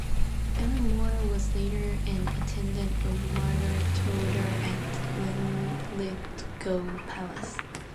Ellen More was later an attendant of Margaret Tudor at Linlithgow Palace.